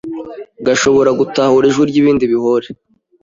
gashobora gutahura ijwi ry’ibindi bihore